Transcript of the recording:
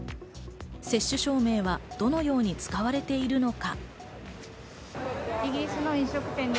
接種証明はどのように使われているのか。